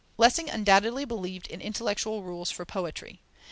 Lessing undoubtedly believed in intellectual rules for poetry.